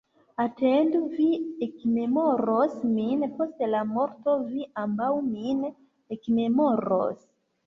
Atendu, vi ekmemoros min post la morto, vi ambaŭ min ekmemoros!